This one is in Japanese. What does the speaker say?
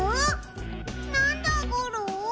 なんだゴロ？